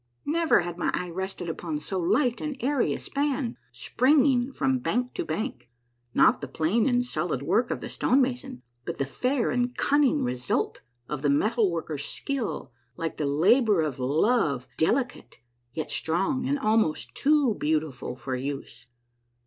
Never had my eye rested upon so light and airy a span, springing from bank to bank ; not the plain and solid work of the stone mason, but the fair and cunning re sult of the metal worker's skill, like the labor of love, dehcate, yet strong, and almost too beautiful for use.